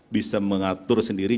bisa mengatur sendiri